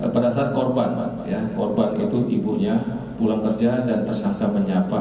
pada saat korban pak ya korban itu ibunya pulang kerja dan tersangka menyapa